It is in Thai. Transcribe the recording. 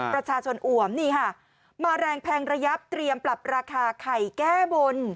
ประชาชนอวมนี่ค่ะมาแรงแพงระยับเตรียมปรับราคาไข่แก้บน